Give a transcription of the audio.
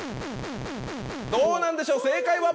どうなんでしょう正解は？